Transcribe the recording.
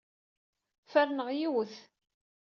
Ferneɣ yiwet.